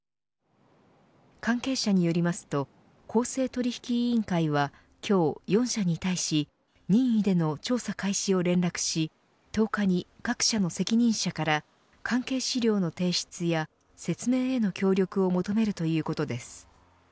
関係者によりますと公正取引委員会は今日４社に対し任意での調査開始を連絡し１０日に各社の責任者から関係資料の提出や説明への協力を求めるということです。